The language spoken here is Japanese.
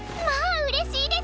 うれしいですわ。